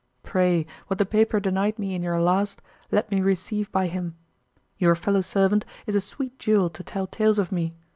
Pray, what the paper denied me in your last, let me receive by him. Your fellow servant is a sweet jewel to tell tales of me.